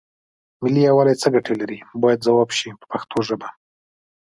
ملي یووالی څه ګټې لري باید ځواب شي په پښتو ژبه.